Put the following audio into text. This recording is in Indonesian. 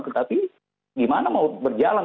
tetapi gimana mau berjalan